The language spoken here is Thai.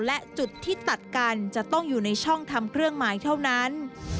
และจุดที่ตัดกันจะต้องอยู่ในช่องทำเครื่องหมายเท่านั้น